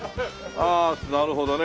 ああなるほどね。